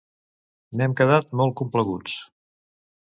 N'hem quedat molt complaguts.